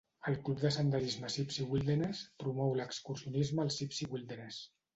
El club de senderisme Sipsey Wilderness promou l'excursionisme al Sipsey Wilderness.